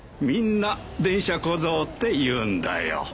みんな電車小僧って言うんだよ。